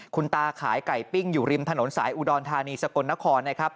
คุณตาขายไก่ปิ้งอยู่ริมถนนสายอุดรธานีสกลนครนะครับ